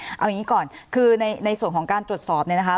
เอาอย่างนี้ก่อนคือในส่วนของการตรวจสอบเนี่ยนะคะ